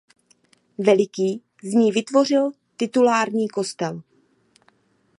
Veliký z ní vytvořil titulární kostel.